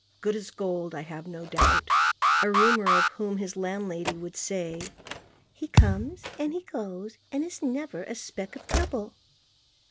Good as gold, I have no doubt, a roomer of whom his landlady could say: "He comes and he goes and is never a speck of trouble."